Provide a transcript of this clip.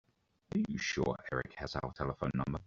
Are you sure Erik has our telephone number?